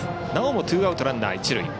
なおもツーアウトランナー、一塁。